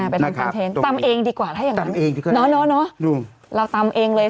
เป็นคอนเทนต์ตำเองดีกว่าถ้าอย่างนั้นเนอะเนอะเราตำเองเลย